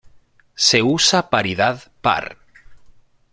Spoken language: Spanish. Se usa paridad par.